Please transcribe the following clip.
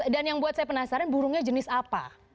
dan yang buat saya penasaran burungnya jenis apa